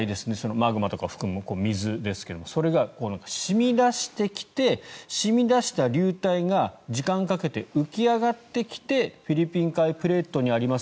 マグマとか含む水ですがそれが染み出してきて染み出した流体が時間をかけて浮き上がってきてフィリピン海プレートにあります